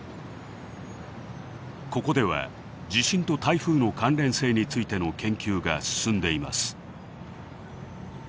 ここでは地震と台風の関連性についての研究が進んでいます。